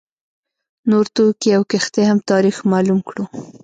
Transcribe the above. نور توکي او کښتۍ هم تاریخ معلوم کړو.